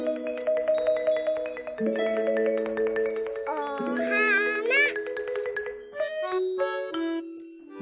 おはな。